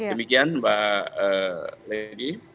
demikian mbak ledi